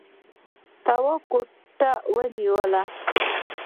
تواب ګوته ونيوله.